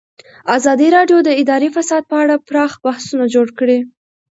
ازادي راډیو د اداري فساد په اړه پراخ بحثونه جوړ کړي.